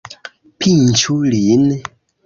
Pinĉu lin!